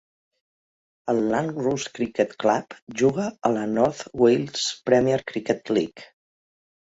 El Llanrwst Cricket Club juga a la North Wales Premier Cricket League.